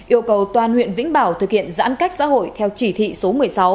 yêu cầu toàn huyện vĩnh bảo thực hiện giãn cách xã hội theo chỉ thị số một mươi sáu